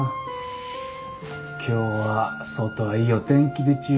今日は外はいいお天気でちゅよ。